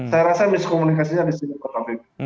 saya rasa miskomunikasinya disini pak taufik